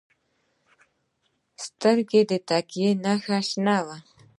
سترګه يې تکه شنه وه.